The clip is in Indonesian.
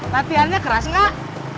latihannya keras gak